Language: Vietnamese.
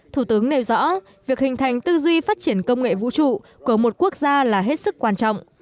thủ tướng nêu rõ việc hình thành tư duy phát triển công nghệ vũ trụ của một quốc gia là hết sức quan trọng